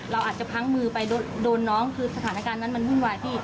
เราอาจจะพังมือไปโดนน้องคือสถานการณ์นั้นมันวุ่นวายพี่